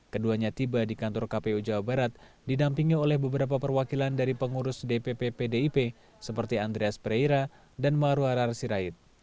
keduanya tiba di kantor kota bandung dan dikumpulkan dengan pembinaan